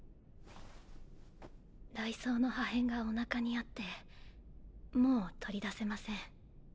雷槍の破片がお腹にあってもう取り出せません。